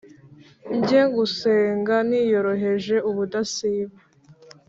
Njye ngusenga niyoroheje ubudasiba.